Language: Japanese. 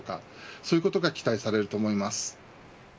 そういうことが期待されると思います。